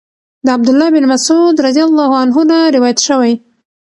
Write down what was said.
د عبد الله بن مسعود رضی الله عنه نه روايت شوی